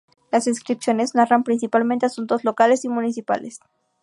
Las inscripciones narran principalmente asuntos locales y municipales.